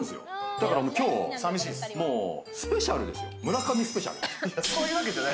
だから、きょうスペシャルですよ、村上スペシャル。